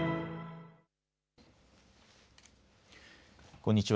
こんにちは。